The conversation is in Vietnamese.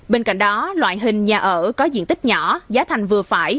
bên cạnh đó loại hình nhà ở có diện tích nhỏ giá thành vừa phải